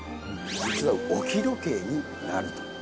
実は置き時計になると。